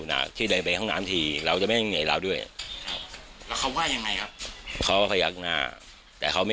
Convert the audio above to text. จนคิดว่าในสิ่งที่ทำแบบนี้จะแก้ปัญหาได้ไหม